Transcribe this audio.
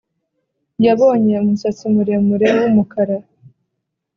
yabonye umusatsi muremure wumukara